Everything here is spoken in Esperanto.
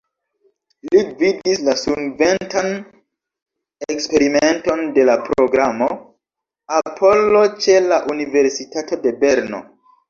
Li gvidis la sunventan eksperimenton de la programo Apollo ĉe la Universitato de Berno.